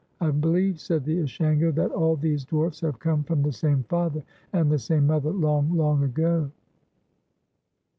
I believe," said the Ashango, "that all these dwarfs have come from the same father and the same mother long, long ago."